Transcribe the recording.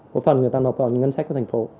một phần người ta nộp vào ngân sách của thành phố